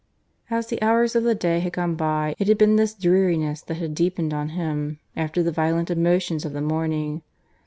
As the hours of the day had gone by it had been this dreariness that had deepened on him, after the violent emotions of the morning.